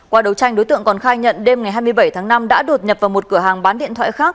qua đấu tranh đối tượng còn khai nhận đêm ngày hai mươi bảy tháng năm đã đột nhập vào một cửa hàng bán điện thoại khác